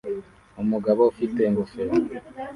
Umugabo ufite ingofero